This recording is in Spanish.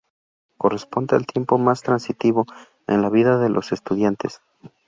Corresponde al tiempo más transitivo en la vida de los estudiantes.